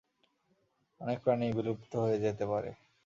অনেক প্রাণীই বিলুপ্ত হয়ে যেতে পারে।